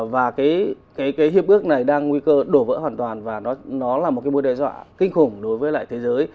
và cái hiệp ước này đang nguy cơ đổ vỡ hoàn toàn và nó là một cái mối đe dọa kinh khủng đối với lại thế giới